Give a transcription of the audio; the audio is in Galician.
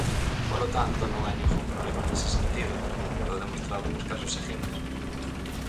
Polo tanto, non hai ningún problema nese sentido, como quedou demostrado nos casos seguintes.